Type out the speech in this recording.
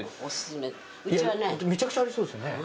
めちゃくちゃありそうですよね。